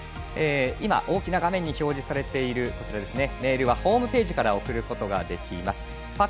大きな画面に表示されているメールやホームページから送ることもできます。